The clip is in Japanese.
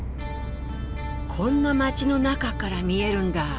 こんな街の中から見えるんだ。